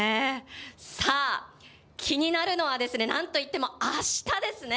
さあ、気になるのはですね、なんといっても、あしたですね。